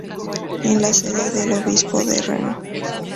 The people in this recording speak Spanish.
Es la sede del obispo de Reno.